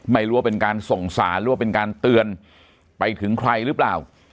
ไม่รู้ว่าเป็นการส่งสารหรือว่าเป็นการเตือนไปถึงใครหรือเปล่า